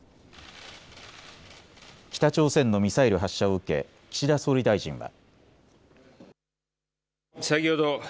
北朝鮮のミサイル発射を受け岸田総理大臣は。